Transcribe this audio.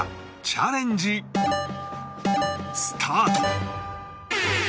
チャレンジスタート